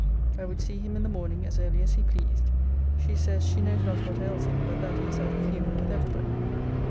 I would see him in the morning as early as he pleased. She says, she knows not what ails him, but that he is out of humour with every body.